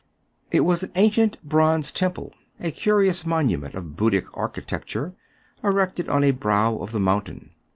It was an ancient bonze temple, a curious monument of Buddhic architecture, erected on a brow of the mountain.